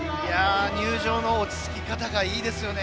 入場の落ち着きかたがいいですね。